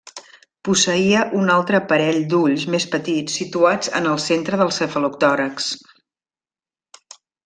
Posseïa un altre parell d'ulls més petits situats en el centre del cefalotòrax.